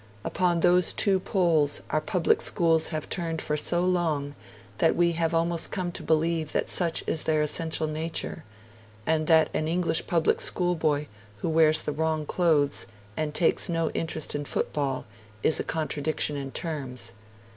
Upon those two poles our public schools have turned for so long that we have almost come to believe that such is their essential nature, and that an English public schoolboy who wears the wrong clothes and takes no interest in football, is a contradiction in terms.